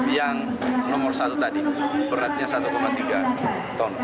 yang nomor satu tadi beratnya satu tiga ton